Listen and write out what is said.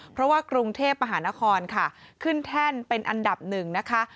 เพราะว่ากรุงเทพมหานครค่ะขึ้นแท่นเป็นอันดับหนึ่งนะคะ